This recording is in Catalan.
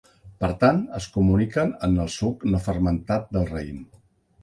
Per tant, es comuniquen en el suc no fermentat del raïm.